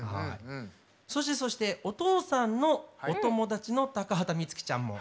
そしてそしてお父さんのお友達の高畑充希ちゃんも。